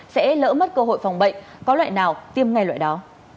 sẽ lỡ mất cơ hội phòng bệnh có loại nào tiêm ngay loại đó